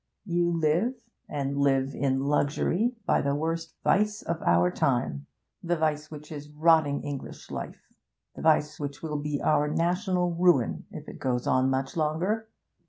You live and live in luxury by the worst vice of our time, the vice which is rotting English life, the vice which will be our national ruin if it goes on much longer.